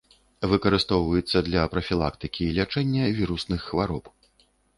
Выкарыстоўваецца для прафілактыкі і лячэння вірусных хвароб.